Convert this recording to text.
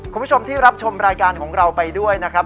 คุณผู้ชมที่รับชมรายการของเราไปด้วยนะครับ